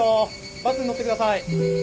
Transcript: バスに乗ってください。